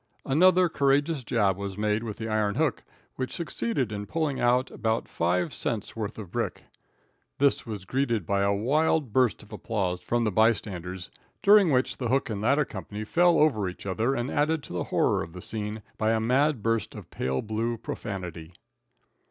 Another courageous jab was made with the iron hook, which succeeded in pulling out about 5 cents worth of brick. This was greeted by a wild burst of applause from the bystanders, during which the hook and ladder company fell over each other and added to the horror of the scene by a mad burst of pale blue profanity.